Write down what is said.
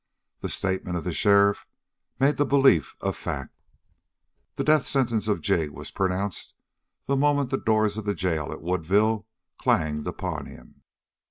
The statement of the sheriff made the belief a fact. The death sentence of Jig was pronounced the moment the doors of the jail at Woodville clanged upon him.